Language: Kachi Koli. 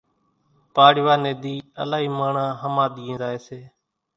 پاڙوا ني ۮي الائِي ماڻۿان ۿماۮِيئين زائي سي